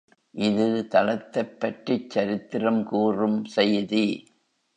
இது தலத்தைப் பற்றிச் சரித்திரம் கூறும் செய்தி.